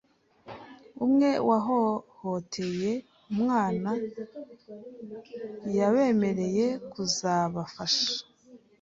umwe wahohoteye umwana yabemereye kuzabafasha,